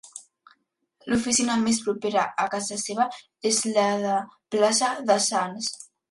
L'oficina més propera a casa seva és la de plaça de Sants.